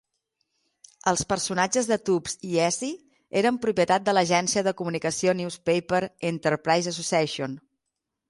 Els personatges de Tubbs i Easy eren propietat de l'agència de comunicació Newspaper Enterprise Association.